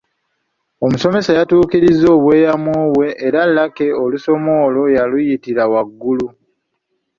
Omusomesa yatuukiriza obweyamo bwe era Lucky olusoma olwo yaluyitira waggulu.